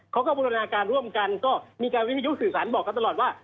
เขาก็บูรณาการร่วมกันก็มีการวิทยุสื่อสารบอกกันตลอดว่า